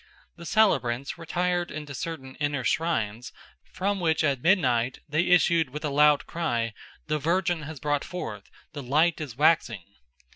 The celebrants retired into certain inner shrines, from which at midnight they issued with a loud cry, "The Virgin has brought forth! The light is waxing!"